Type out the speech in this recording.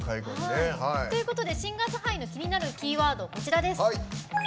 シンガーズハイの気になるキーワードはこちら。